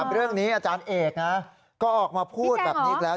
เรื่องนี้อาจารย์เอกนะก็ออกมาพูดแบบนี้อีกแล้ว